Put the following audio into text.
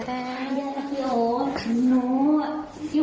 มันเยอะมากเลย